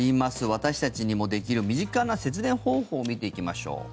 私たちにもできる身近な節電方法を見ていきましょう。